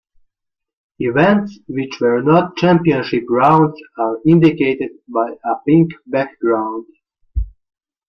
Events which were not championship rounds are indicated by a pink background.